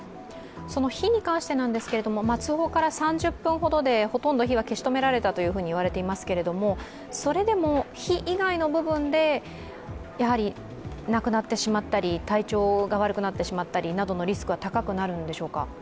火に関してなんですけれども通報から３０分ほどでほとんど火は消し止められたといわれていますけれどもそれでも火以外の部分で亡くなってしまったり体調が悪くなってしまったりなどのリスクは高くなるんでしょうか。